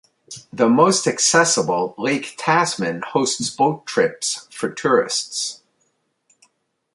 The most accessible, Lake Tasman, hosts boat trips for tourists.